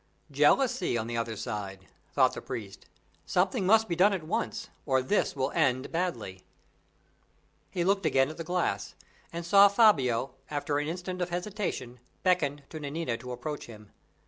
"Jealousy on the other side," thought the priest. "Something must be done at once, or this will end badly." He looked again at the glass, and saw Fabio, after an instant of hesitation, beckon to Nanina to approach him.